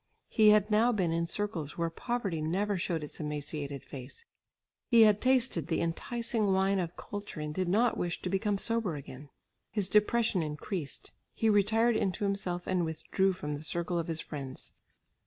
He had now been in circles where poverty never showed its emaciated face; he had tasted the enticing wine of culture and did not wish to become sober again. His depression increased; he retired into himself and withdrew from the circle of his friends.